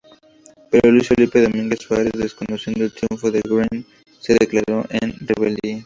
Pero Luis Felipe Domínguez Suárez desconociendo el triunfo de Greene, se declaró en rebeldía.